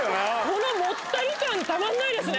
このもったり感たまんないです